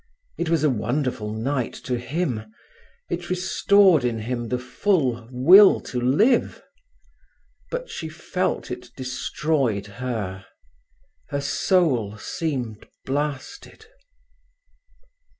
It was a wonderful night to him. It restored in him the full "will to live". But she felt it destroyed her. Her soul seemed blasted.